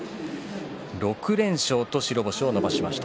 ６連勝と白星を伸ばしました